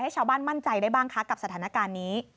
ชาวบ้านมั่นใจได้บ้างคะกับสถานการณ์นี้